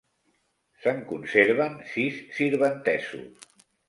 Se'n conserven sis sirventesos.